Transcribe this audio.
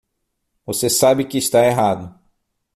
Você sabe que está errado.